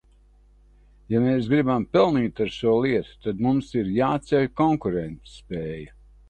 Ja mēs gribam pelnīt ar šo lietu, tad mums ir jāceļ konkurētspēja.